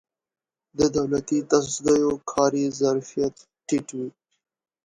د دولتي تصدیو کاري ظرفیت ټیټ وي.